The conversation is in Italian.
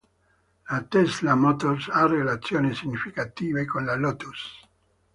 La Tesla Motors ha relazioni significative con la Lotus.